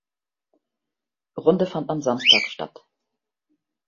Runde fand am Samstag statt.